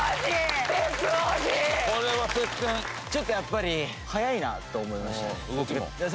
ちょっとやっぱり速いなと思いましたね。